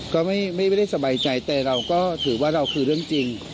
ก็ไม่ได้สบายใจแต่เราก็ถือว่าเราคือเรื่องจริง